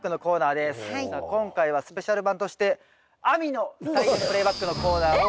さあ今回はスペシャル版として「亜美の菜園プレイバック」のコーナーを。